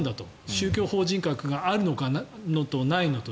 宗教法人格があるのとないのと。